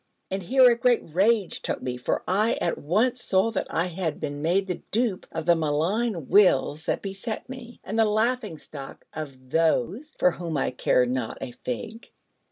And here a great rage took me, for I at once saw that I had been made the dupe of the malign wills that beset me, and the laughing stock of Those for whom I care not a fig.